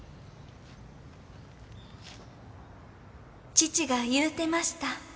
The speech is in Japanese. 父が言うてました。